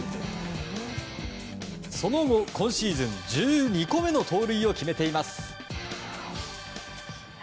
その後、今シーズン１２個目の盗塁を決めています。